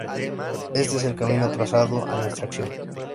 Este es el camino trazado a nuestra acción".